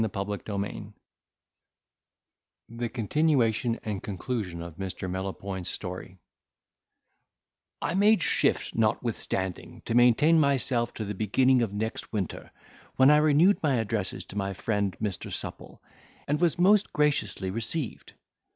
CHAPTER LXIII The Continuation and Conclusion of Mr. Melopoyn's Story 'I made shift, notwithstanding, to maintain myself till the beginning of next winter, when I renewed my addresses to my friend Mr. Supple, and was most graciously received.